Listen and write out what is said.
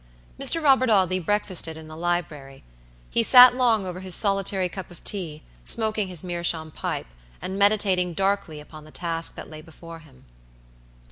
Mr. Robert Audley breakfasted in the library. He sat long over his solitary cup of tea, smoking his meerschaum pipe, and meditating darkly upon the task that lay before him.